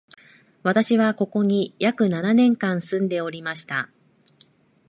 私は、ここに約七年間住んでおりました